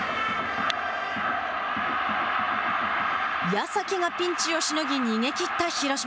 矢崎がピンチをしのぎ逃げきった広島。